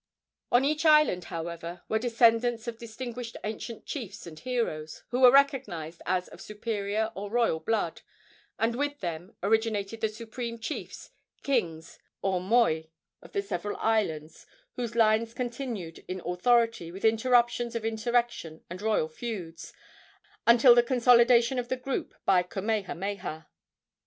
On each island, however, were descendants of distinguished ancient chiefs and heroes, who were recognized as of superior or royal blood, and with them originated the supreme chiefs, kings, or mois of the several islands, whose lines continued in authority, with interruptions of insurrection and royal feuds, until the consolidation of the group by Kamehameha.